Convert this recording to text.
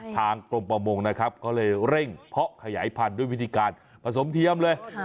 ทางกรมประมงนะครับก็เลยเร่งเพาะขยายพันธุ์ด้วยวิธีการผสมเทียมเลย